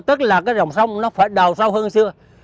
tức là cái dòng sông nó phải đầu sâu hơn xưa